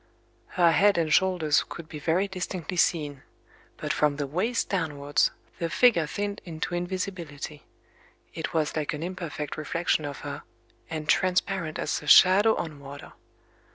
Her head and shoulders could be very distinctly seen; but from the waist downwards the figure thinned into invisibility;—it was like an imperfect reflection of her, and transparent as a shadow on water.